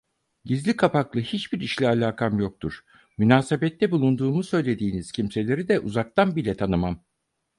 Gizli kapaklı hiçbir işle alakam yoktur, münasebette bulunduğumu söylediğiniz kimseleri de, uzaktan bile tanımam.